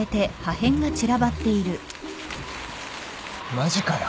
マジかよ！